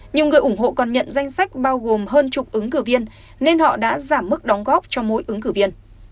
nhiều người ủng hộ còn nhận danh sách bao gồm hơn chục ứng cử viên nên họ đã giảm mức đóng góp cho mỗi ứng cử viên